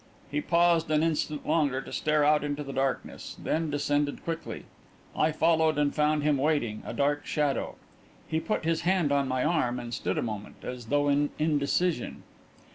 He paused an instant longer to stare out into the darkness, then descended quickly. I followed, and found him waiting, a dark shadow. He put his hand on my arm, and stood a moment, as though in indecision.